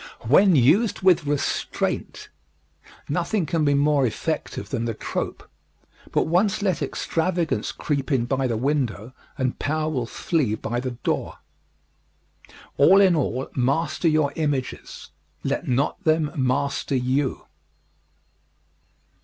When used with restraint, nothing can be more effective than the trope; but once let extravagance creep in by the window, and power will flee by the door. All in all, master your images let not them master you.